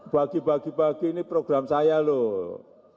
bagi bagi ini program saya loh